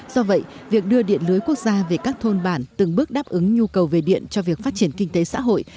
do vậy việc đưa điện lưới quốc gia về các thôn bản từng bước đáp ứng nhu cầu về điện cho việc phát triển kinh tế xã hội